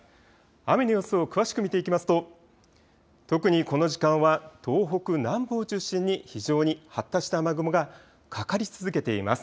雨の様子を詳しく見ていきますと特にこの時間は東北南部を中心に非常に発達した雨雲がかかり続けています。